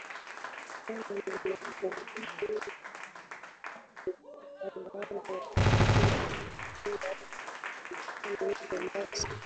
kana na mafuriko juma lililopita baada ya kutokea kimbunga cha hurricane thomas